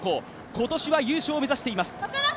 今年は優勝を目指しています。